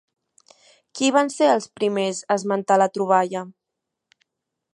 Qui van ser els primers a esmentar la troballa?